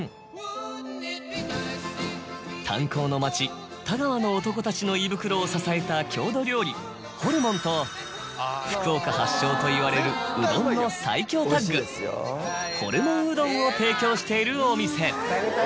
炭鉱の町田川の男たちの胃袋を支えた郷土料理ホルモンと福岡発祥といわれるうどんの最強タッグホルモンうどんを提供しているお店。